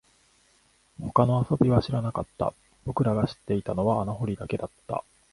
他の遊びは知らなかった、僕らが知っていたのは穴掘りだけだった